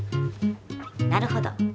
なるほど。